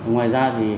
ngoài ra thì